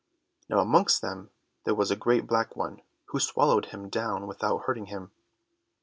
Now amongst them there was a great black one, who swallowed him down without hurting him.